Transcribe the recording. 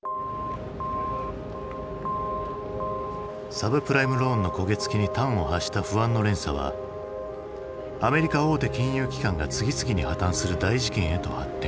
サブプライムローンの焦げ付きに端を発した不安の連鎖はアメリカ大手金融機関が次々に破綻する大事件へと発展。